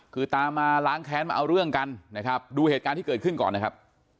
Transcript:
คือตามมาล้างแค้นมาเอาเรื่องกันนะครับดูเหตุการณ์ที่เกิดขึ้นก่อนนะครับ